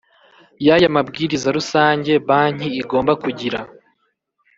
y aya mabwiriza rusange banki igomba kugira